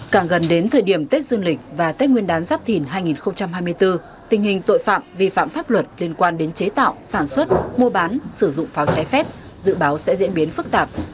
càng gần đến thời điểm tết dương lịch và tết nguyên đán giáp thìn hai nghìn hai mươi bốn tình hình tội phạm vi phạm pháp luật liên quan đến chế tạo sản xuất mua bán sử dụng pháo trái phép dự báo sẽ diễn biến phức tạp